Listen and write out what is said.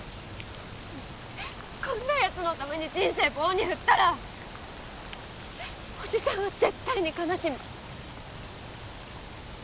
こんな奴のために人生棒に振ったらおじさんは絶対に悲しむ。